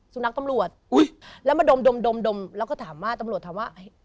สุนัขตำรวจอุ้ยแล้วมาดมแล้วก็ถามว่าตำรวจถามว่า